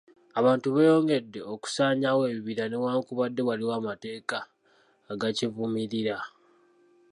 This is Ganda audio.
Abantu beeyongedde okusaanyaawo ebibira newankubadde waliwo amateeka agakivumirira.